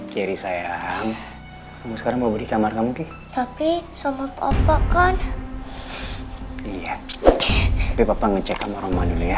kiri sayang kamu sekarang mau di kamar kamu tapi sama papa kan iya papa ngecek kamu rumah dulu ya